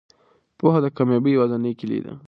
پوهه د کامیابۍ یوازینۍ کیلي ده.